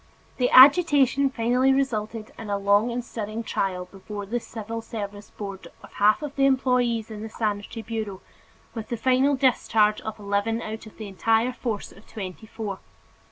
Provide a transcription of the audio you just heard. The agitation finally resulted in a long and stirring trial before the civil service board of half of the employees in the Sanitary Bureau, with the final discharge of eleven out of the entire force of twenty four.